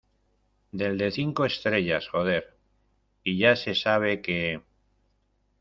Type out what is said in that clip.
del de cinco estrellas, joder. y ya se sabe que